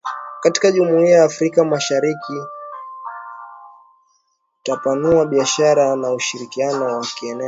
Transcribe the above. katika jumuia ya Afrika mashariki kutapanua biashara na ushirikiano wa kieneo